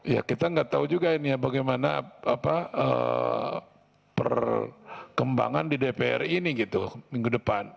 ya kita nggak tahu juga ini ya bagaimana perkembangan di dpr ini gitu minggu depan